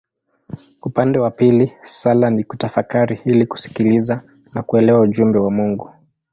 Upande wa pili sala ni kutafakari ili kusikiliza na kuelewa ujumbe wa Mungu.